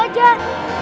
yang ada metro mini